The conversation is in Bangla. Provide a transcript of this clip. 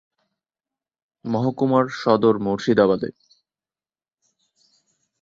মহকুমার সদর মুর্শিদাবাদে।